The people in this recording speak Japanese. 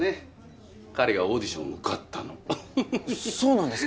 彼がオーディション受かったのそうなんですか？